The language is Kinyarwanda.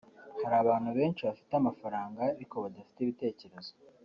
Hari abantu benshi bafite amafaranga ariko badafite ibitekerezo